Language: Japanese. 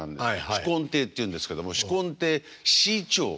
紫紺亭っていうんですけども紫紺亭志い朝。